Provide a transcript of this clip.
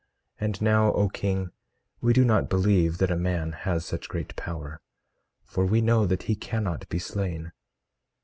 And now, O king, we do not believe that a man has such great power, for we know he cannot be slain.